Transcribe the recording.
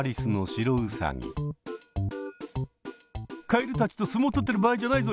かえるたちとすもう取ってる場合じゃないぞ！